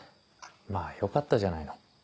まぁよかったじゃないの。